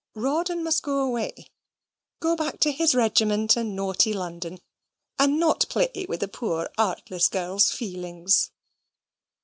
Rawdon must go away go back to his regiment and naughty London, and not play with a poor artless girl's feelings.